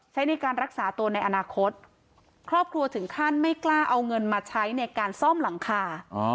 ใช้ในการรักษาตัวในอนาคตครอบครัวถึงขั้นไม่กล้าเอาเงินมาใช้ในการซ่อมหลังคา